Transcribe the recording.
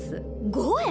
５円？